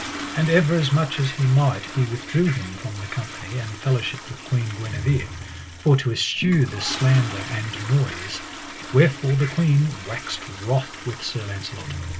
And ever as much as he might he withdrew him from the company and fellowship of Queen Guenever, for to eschew the slander and noise; wherefore the queen waxed wroth with Sir Launcelot.